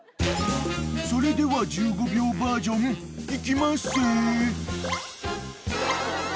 ［それでは１５秒バージョンいきまっせ］